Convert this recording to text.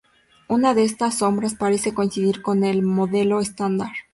Una de esta sombras parece coincidir con el Modelo Estándar.